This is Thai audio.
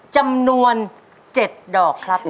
จำนวน๗ดอกครับ